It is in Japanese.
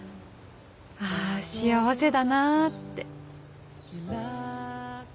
ああ幸せだなあって。